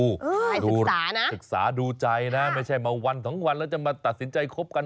ศึกษานะศึกษาดูใจนะไม่ใช่มาวันสองวันแล้วจะมาตัดสินใจคบกัน